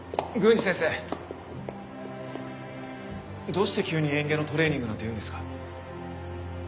どうして急に嚥下のトレーニングなんて言うんですか？